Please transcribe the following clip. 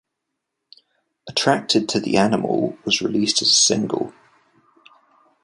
"Attracted to the Animal" was released as a single.